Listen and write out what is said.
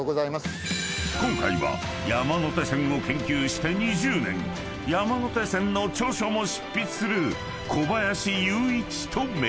［今回は山手線を研究して２０年山手線の著書も執筆する小林祐一と巡る］